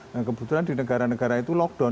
nah kebetulan di negara negara itu lockdown